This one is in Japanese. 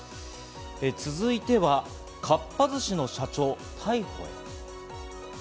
続いてはかっぱ寿司の社長、逮捕へ。